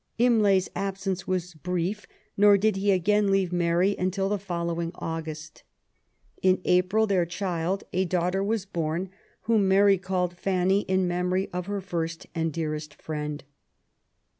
Imlay's absence was brief, nor did he again leave Mary until the following August. In April their child, a daughter, was born, whom Mary called Fanny in Tnemory of her first and dearest friend.